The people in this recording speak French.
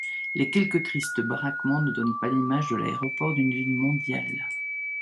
Les quelques tristes baraquements ne donnent pas l'image de l'aéroport d'une ville mondiale.